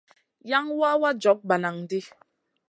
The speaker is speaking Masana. Yan wawa jog bananʼ ɗi.